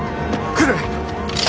来る！